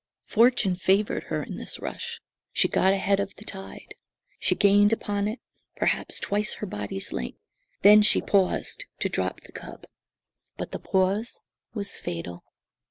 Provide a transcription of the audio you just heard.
Fortune favoured her in this rush. She got ahead of the tide. She gained upon it, perhaps twice her body's length. Then she paused, to drop the cub. But the pause was fatal.